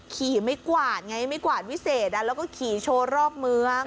ขี่ไม่กวาดไงไม่กวาดวิเศษแล้วก็ขี่โชว์รอบเมือง